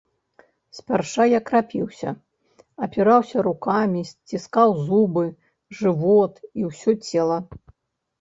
Спярша я крапіўся, апіраўся рукамі, сціскаў зубы, жывот і ўсё цела.